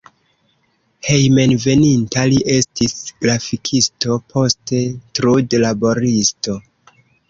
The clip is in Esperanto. Hejmenveninta li estis grafikisto, poste trudlaboristo.